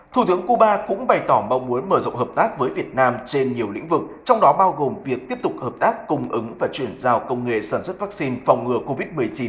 thủ tướng cuba cũng bày tỏ mong muốn mở rộng hợp tác với việt nam trên nhiều lĩnh vực trong đó bao gồm việc tiếp tục hợp tác cung ứng và chuyển giao công nghệ sản xuất vaccine phòng ngừa covid một mươi chín